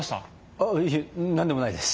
ああいえ何でもないです。